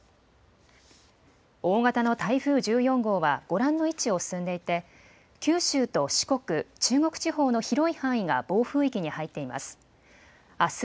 大型の台風１４号はご覧の位置を進んでいて九州と四国、中国地方の広い範囲が暴風域に入っています。